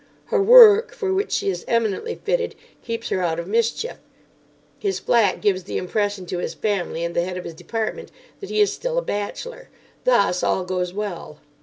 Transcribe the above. Her work, for which she is eminently fitted, keeps her out of mischief. His flat gives the impression to his family and the head of his department that he is still a bachelor. Thus, all goes well."